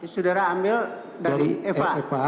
sudara ambil dari epa